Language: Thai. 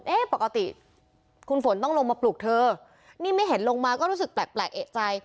ปกติคุณฝนต้องลงมาปลุกเธอนี่ไม่เห็นลงมาก็รู้สึกแปลกเอกใจ